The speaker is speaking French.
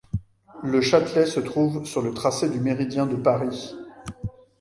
Le Châtelet se trouve sur le tracé du méridien de Paris.